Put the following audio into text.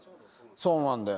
そうなんだよ。